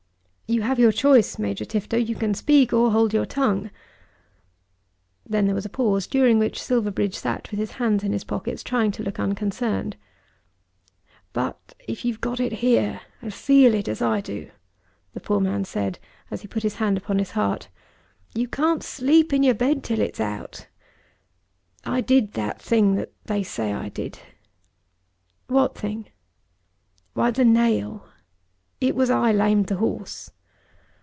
"You have your choice, Major Tifto. You can speak or hold your tongue." Then there was a pause, during which Silverbridge sat with his hands in his pockets trying to look unconcerned. "But if you've got it here, and feel it as I do," the poor man as he said this put his hand upon his heart, "you can't sleep in your bed till it's out. I did that thing that they said I did." "What thing?" "Why, the nail! It was I lamed the horse."